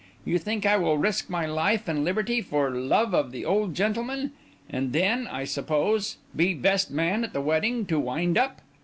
You think I will risk my life and liberty for love of the old gentleman; and then, I suppose, be best man at the wedding, to wind up?